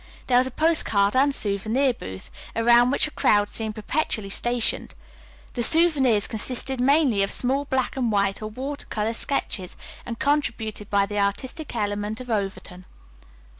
There was a postcard and souvenir booth, around which a crowd seemed perpetually stationed. The souvenirs consisted mainly of small black and white or water color sketches contributed by the artistic element of Overton.